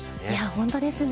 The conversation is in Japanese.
本当ですね。